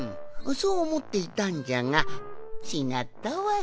そうおもっていたんじゃがちがったわい。